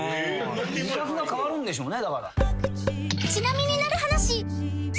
味覚が変わるんでしょうね。